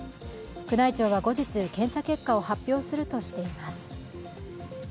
宮内庁は後日、検査結果を発表するとしています。